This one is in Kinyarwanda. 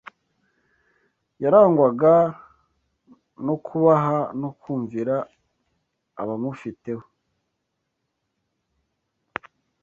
Yarangwaga no kubaha no kumvira abamufiteho